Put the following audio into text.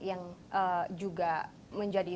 yang juga menjadi